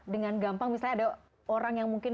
dengan gampang misalnya ada orang yang mungkin